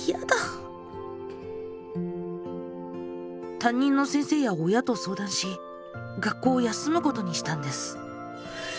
担任の先生や親と相談し学校を休むことにしたんです。